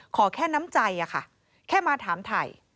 ขอแค่น้ำใจค่ะแค่มาถามถ่าย